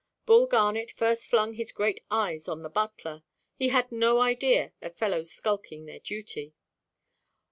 Bull Garnet first flung his great eyes on the butler; he had no idea of fellows skulking their duty.